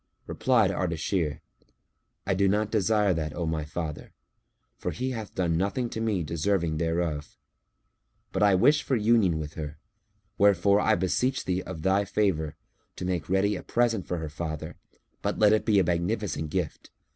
Replied Ardashir, "I do not desire that, O my father, for he hath done nothing to me deserving thereof; but I wish for union with her; wherefore I beseech thee of thy favour to make ready a present for her father (but let it be a magnificent gift!)